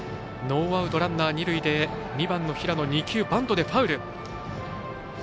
ノーアウト、ランナー、二塁で２番の平野２球バントでファウル。